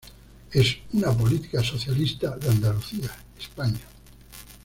Es una política socialista de Andalucía, España.